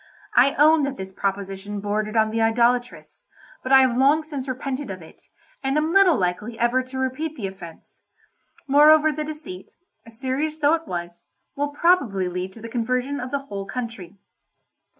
I own that this proposition bordered on the idolatrous, but I have long since repented of it, and am little likely ever to repeat the offence. Moreover the deceit, serious though it was, will probably lead to the conversion of the whole country.